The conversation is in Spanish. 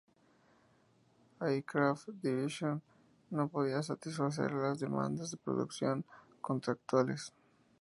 Aircraft Division no podía satisfacer las demandas de producción contractuales.